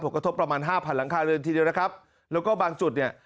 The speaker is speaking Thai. กระทบประมาณห้าพันหลังคาเรือนทีเดียวนะครับแล้วก็บางจุดเนี่ย